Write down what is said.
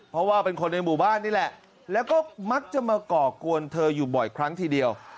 เพราะว่าเป็นคนในหมู่บ้านนี่แหละแล้วก็มักจะมาก่อกวนเธออยู่บ่อยครั้งทีเดียว